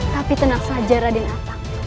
tapi tenang saja radenata